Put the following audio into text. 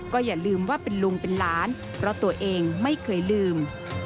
ก็อย่าลืมว่าเป็นลุงเป็นหลานเพราะตัวเองไม่เคยลืม